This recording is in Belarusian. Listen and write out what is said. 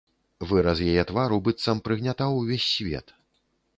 Выраз яе твару быццам прыгнятаў увесь свет.